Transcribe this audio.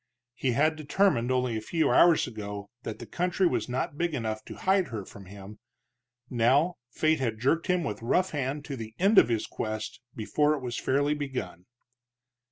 He had determined only a few hours ago that the country was not big enough to hide her from him. Now Fate had jerked him with rough hand to the end of his quest before it was fairly begun.